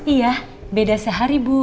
iya beda sehari bu